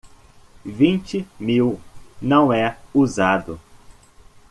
Vinte mil não é usado